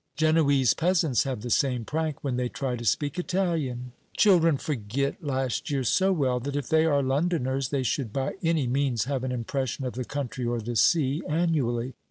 Genoese peasants have the same prank when they try to speak Italian. Children forget last year so well that if they are Londoners they should by any means have an impression of the country or the sea annually.